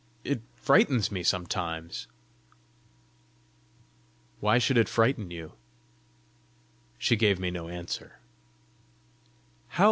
It frightens me sometimes." "Why should it frighten you?" She gave me no answer.